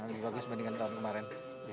lebih bagus dibandingkan tahun kemarin